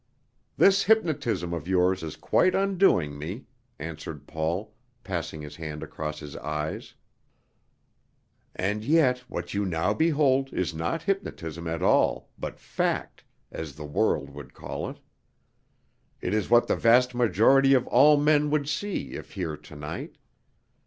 "This hypnotism of yours is quite undoing me," answered Paul, passing his hand across his eyes. "And yet what you now behold is not hypnotism at all, but fact, as the world would call it. It is what the vast majority of all men would see if here to night.